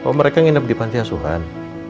kalo mereka nginep di pantai asuhan